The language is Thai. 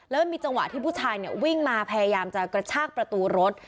แล้วมันมีจังหวะที่ผู้ชายวิ่งมาพยายามจะกระชากประตูรถ